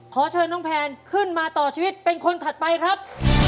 ขอเชิญน้องแพนขึ้นมาต่อชีวิตเป็นคนถัดไปครับ